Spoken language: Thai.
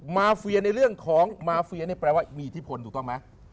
มาเฟียนะคะเรื่องของมาเฟียนี่พี่มีที่พลถูกต้อนไหม